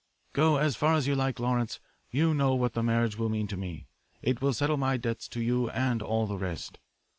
"'Go as far as you like, Lawrence. You know what the marriage will mean to me. It will settle my debts to you and all the rest.'